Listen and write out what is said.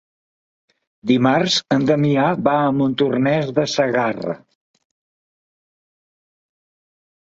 Dimarts en Damià va a Montornès de Segarra.